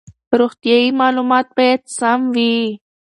روغتیايي معلومات باید سم وي.